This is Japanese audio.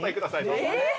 どうぞ。